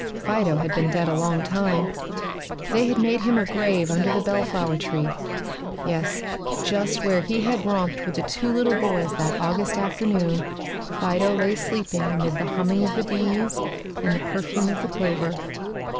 Fido had been dead a long time. They had made him a grave under the bellflower tree, yes, just where he had romped with the two little boys that August afternoon Fido lay sleeping amid the humming of the bees and the perfume of the clover.